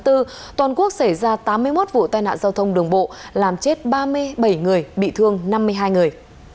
toàn quốc xảy ra tám mươi một vụ tai nạn giao thông đường bộ làm chết ba mươi bảy người bị thương năm mươi hai người